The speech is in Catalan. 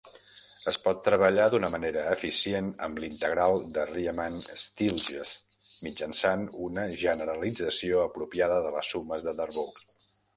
Es pot treballar d'una manera eficient amb l'integral de Riemann-Stieltjes mitjançant una generalització apropiada de les sumes de Darboux.